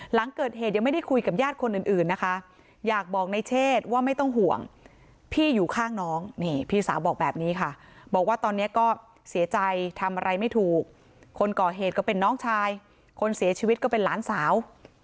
หลังเกิดเหตุยังไม่ได้คุยกับญาติคนอื่นนะคะอยากบอกในเชศว่าไม่ต้องห่วงพี่อยู่ข้างน้องนี่พี่สาวบอกแบบนี้ค่ะบอกว่าตอนนี้ก็เสียใจทำอะไรไม่ถูกคนก่อเหตุก็เป็นน้องชายคนเสียชีวิตก็เป็นหลานสาว